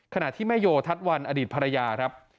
ขณะที่แม่โยทัศน์วันอดีตภรรยาครับ